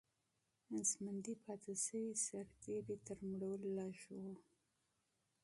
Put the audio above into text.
ژوندي پاتې سوي سرتیري تر مړو لږ وو.